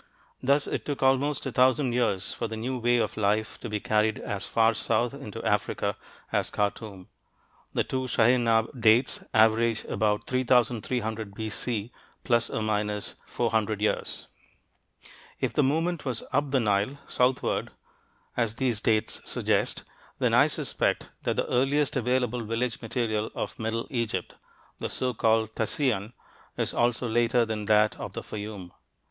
Thus it took almost a thousand years for the new way of life to be carried as far south into Africa as Khartoum; the two Shaheinab "dates" average about 3300 B.C. ± 400 years. If the movement was up the Nile (southward), as these dates suggest, then I suspect that the earliest available village material of middle Egypt, the so called Tasian, is also later than that of the Fayum.